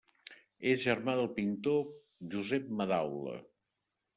És germà del pintor Josep Madaula.